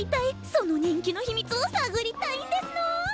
その人気の秘密を探りたいんですの！